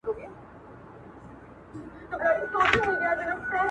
خو د عقل او د زور يې لاپي كړلې-